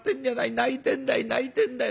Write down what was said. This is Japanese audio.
泣いてんだい泣いてんだよ。